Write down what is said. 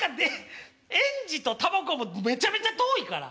園児とタバコとめちゃめちゃ遠いから。